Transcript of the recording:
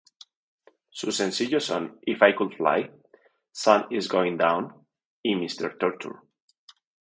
Sus sencillos son "If I Could Fly","Sun is Going Down" y "Mr.Torture"